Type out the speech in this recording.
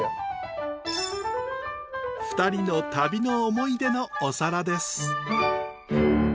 ２人の旅の思い出のお皿です。